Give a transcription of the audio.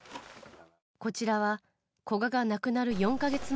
こちらは古賀が亡くなる４か月前。